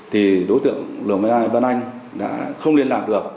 thì đối tượng văn anh đã không liên lạc được